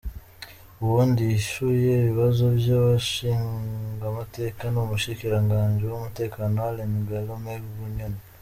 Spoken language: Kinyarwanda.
Uwundi yisshuye ibibazo vy' abashingamateka ni umushikiranganji w 'umutekano Alain Guillaume Bunyoni .